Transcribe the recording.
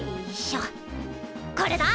これだ！